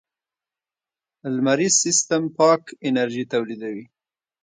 لمریز سیستم پاک انرژي تولیدوي.